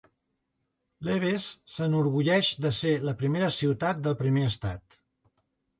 Lewes s'enorgulleix de ser "la primera ciutat del primer estat".